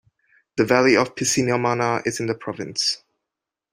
The valley of Piscinamanna is in the province.